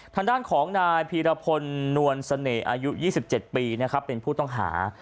ทางด้านของนายพีรพลนวลเสน่ห์อายุ๒๗ปีนะครับเป็นผู้ต้องหา